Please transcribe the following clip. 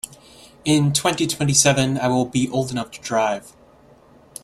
In twenty-twenty-seven I will old enough to drive.